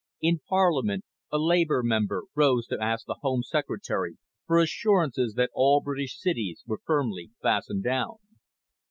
In Parliament a Labour member rose to ask the Home Secretary for assurances that all British cities were firmly fastened down.